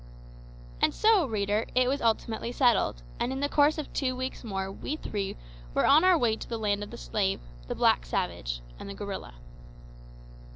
And so, reader, it was ultimately settled, and in the course of two weeks more we three were on our way to the land of the slave, the black savage, and the gorilla.